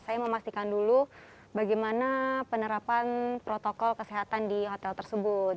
saya memastikan dulu bagaimana penerapan protokol kesehatan di hotel tersebut